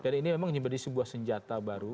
dan ini memang menyeberi sebuah senjata baru